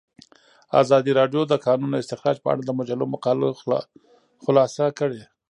ازادي راډیو د د کانونو استخراج په اړه د مجلو مقالو خلاصه کړې.